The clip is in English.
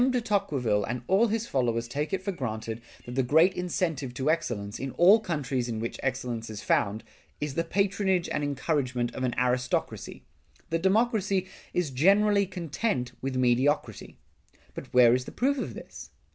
de Tocqueville and all his followers take it for granted that the great incentive to excellence, in all countries in which excellence is found, is the patronage and encouragement of an aristocracy; that democracy is generally content with mediocrity. But where is the proof of this?